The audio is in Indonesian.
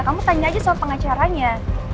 kamu tanya aja soal pengacaranya